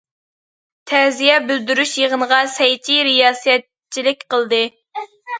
تەزىيە بىلدۈرۈش يىغىنىغا سەي چى رىياسەتچىلىك قىلدى.